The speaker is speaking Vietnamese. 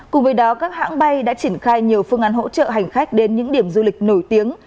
cùng với đó các hãng bay đã triển khai nhiều phương án hỗ trợ hành khách đến những điểm du lịch nổi tiếng